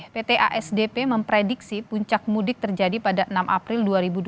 pt asdp memprediksi puncak mudik terjadi pada enam april dua ribu dua puluh